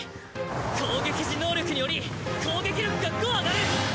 攻撃時能力により攻撃力が５上がる！